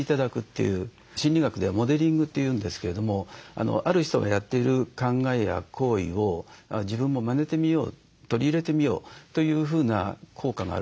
心理学ではモデリングというんですけれどもある人がやっている考えや行為を自分もまねてみよう取り入れてみようというふうな効果があると思うんですね。